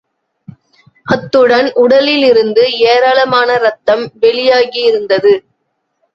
அத்துடன் உடலிலிருந்து ஏராளமான ரத்தம் வெளியாகியிருந்தது.